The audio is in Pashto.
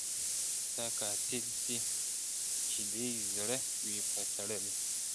ستا قاتل سي چي دي زړه وي په تړلی `